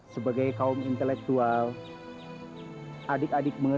sebagai kaum berpengalaman